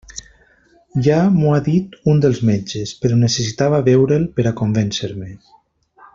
Ja m'ho ha dit un dels metges, però necessitava veure'l per a convèncer-me.